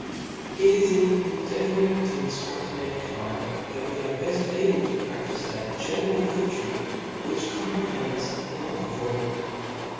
It is in endeavouring to inftrufl: mankind^ that we are beft able to praftife that general virtue, which comprehends the love of all.